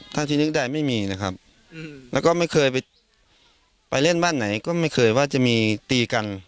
ที่นึกได้ไม่มีนะครับแล้วก็ไม่เคยไปเล่นบ้านไหนก็ไม่เคยว่าจะมีตีกัน